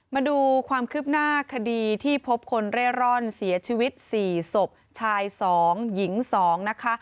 มาดูความคืบหน้าคดีที่พบคนเร่ร่อนเสียชีวิต๔ศพชาย๒หญิง๒นะคะ